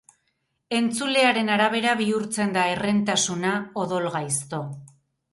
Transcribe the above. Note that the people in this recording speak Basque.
Entzulearen arabera bihurtzen da herrentasuna odol gaizto.